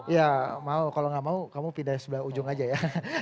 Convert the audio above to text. ya mau kalau nggak mau kamu pindah sebelah ujung aja ya